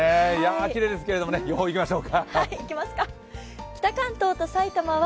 きれいですけど、予報いきましょう。